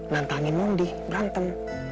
nantangin mondi berantem